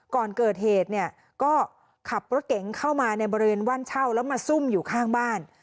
ก่อนเกิดเหตุเนี่ยก็ขับรถเก๋งเข้ามาในบริเวณว่านเช่าแล้วมาซุ่มอยู่ข้างบ้าน